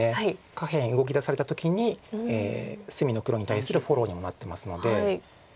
下辺動き出された時に隅の黒に対するフォローにもなってますので。